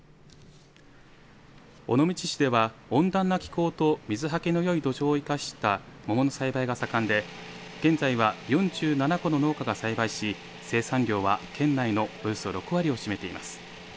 尾道市では温暖な気候と水はけのよい土壌を生かした桃の栽培が盛んで、現在は４７戸の農家が栽培し生産量は県内のおよそ６割を占めています。